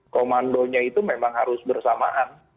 komandonya itu memang harus bersamaan